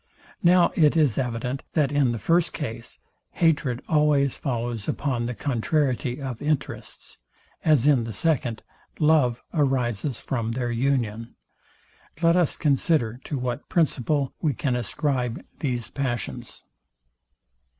Now it is evident, that in the first case, hatred always follows upon the contrariety of interests; as in the second, love arises from their union. Let us consider to what principle we can ascribe these passions.